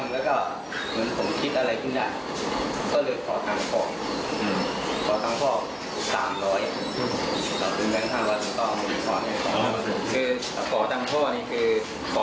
แล้วพ่อตอบไหม